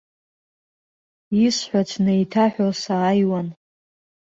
Исҳәац неиҭаҳәо сааиуан.